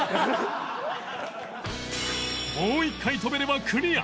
もう一回跳べればクリア